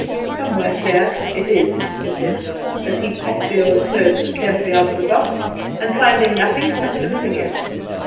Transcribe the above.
"Somewhere, here it is," he said, as he packed the old clothes carefully out of the box, and, finding nothing, packed them in again.